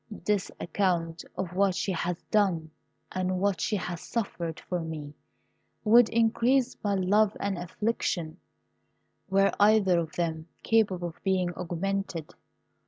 This account of what she has done and what she has suffered for me would increase my love and my affliction, were either of them capable of being augmented.